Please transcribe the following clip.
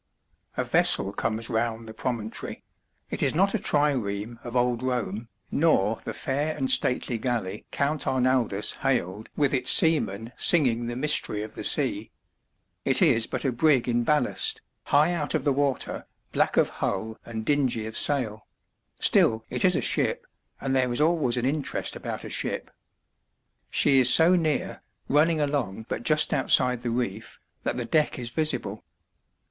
A vessel comes round the promontory; it is not a trireme of old Rome, nor the "fair and stately galley" Count Arnaldus hailed with its seamen singing the mystery of the sea. It is but a brig in ballast, high out of the water, black of hull and dingy of sail: still it is a ship, and there is always an interest about a ship. She is so near, running along but just outside the reef, that the deck is visible.